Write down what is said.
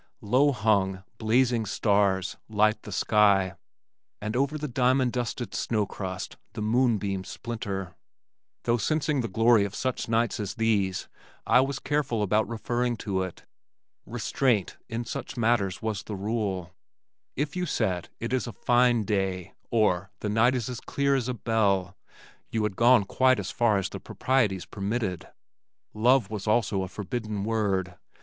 Low hung, blazing, the stars light the sky, and over the diamond dusted snow crust the moonbeams splinter. Though sensing the glory of such nights as these I was careful about referring to it. Restraint in such matters was the rule. If you said, "It is a fine day," or "The night is as clear as a bell," you had gone quite as far as the proprieties permitted. Love was also a forbidden word.